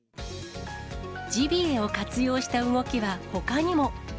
ジビエを活用した動きはほかにも。